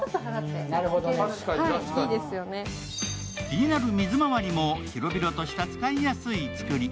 気になる水まわりも広々とした使いやすく造り。